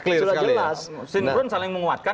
sinkron saling menguatkan